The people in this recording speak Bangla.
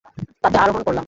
তাতে আরোহণ করলাম।